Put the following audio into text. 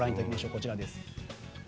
こちらです。